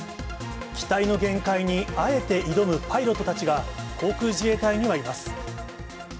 機体の限界にあえて挑むパイロットたちが、航空自衛隊にはいます。